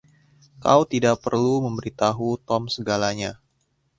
Kau tidak perlu memberi tahu Tom segalanya.